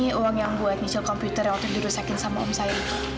ini uang yang gue ngecil komputer yang aku dirusakin sama om saya